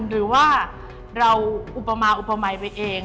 หรือว่าเราอุปมายไปเอง